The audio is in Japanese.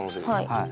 はい。